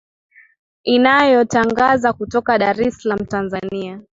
inayotangaza kutoka dar es salaam tanzania